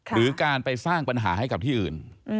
หรือการไปสร้างปัญหาให้กับที่อื่น